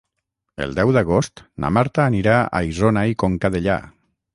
El deu d'agost na Marta anirà a Isona i Conca Dellà.